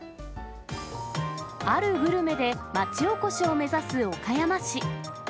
あるグルメで町おこしを目指す岡山市。